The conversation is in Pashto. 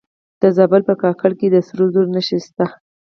د زابل په کاکړ کې د سرو زرو نښې شته.